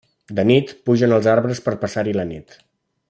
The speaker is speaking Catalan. De nit, pugen als arbres per passar-hi la nit.